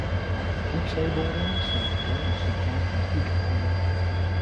Diepzeeboringen zijn gewoon een symptoom van piekolie.